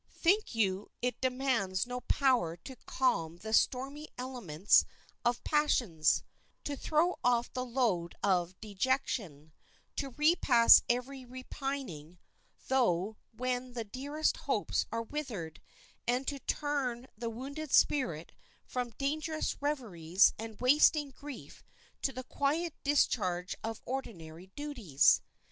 Think you it demands no power to calm the stormy elements of passions, to throw off the load of dejection, to repress every repining thought when the dearest hopes are withered, and to turn the wounded spirit from dangerous reveries and wasting grief to the quiet discharge of ordinary duties?